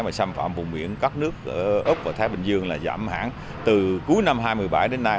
mà xâm phạm vùng biển các nước úc và thái bình dương là giảm hẳn từ cuối năm hai nghìn một mươi bảy đến nay